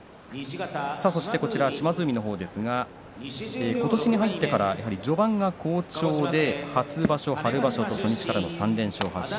島津海の方ですが今年に入ってから序盤が好調で初場所、春場所と初日からの３連勝発進。